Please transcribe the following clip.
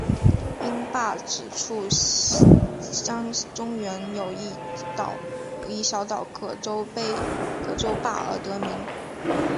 因坝址处江中原有一小岛葛洲坝而得名。